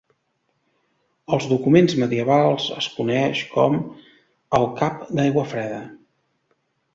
Als documents medievals es coneix com el cap d'Aiguafreda.